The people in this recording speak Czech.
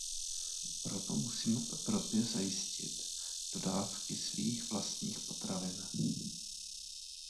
Proto musíme v Evropě zajistit dodávky svých vlastních potravin.